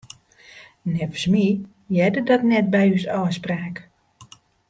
Neffens my hearde dat net by ús ôfspraak.